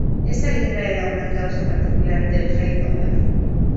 Esta guerra era una causa particular del rey Olaf.